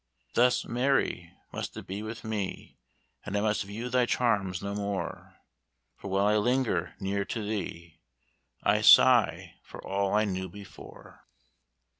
"Thus, Mary, must it be with me, And I must view thy charms no more; For, while I linger near to thee, I sigh for all I knew before."